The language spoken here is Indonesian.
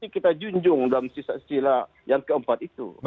kita junjung dalam silat silat yang keempat itu